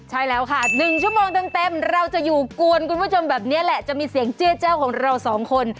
ใช่แล้วค่ะ๑ชั่วโมงเต็มเราจะอยู่กวนคุณผู้ชมแบบนี้แหละจะมีเสียงเจื้อแจ้วของเราสองคน